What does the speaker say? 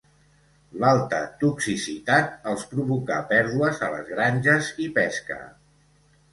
L'alta toxicitat els provocà pèrdues a les granges i pesca.